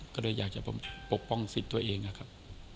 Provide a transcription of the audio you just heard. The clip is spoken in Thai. ก็เลยอยากจะปกป้องสิทธิ์ตัวเองนะครับ